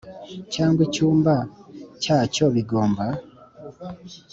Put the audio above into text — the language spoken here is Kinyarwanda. cyangwa icyumba cyacyo bigomba